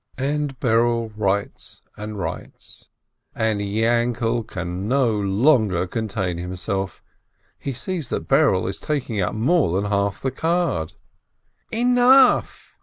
And Berele writes and writes, and Yainkele can no longer contain himself — he sees that Berele is taking up more than half the card. "Enough